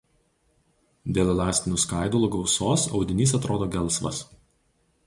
Dėl elastinių skaidulų gausos audinys atrodo gelsvas.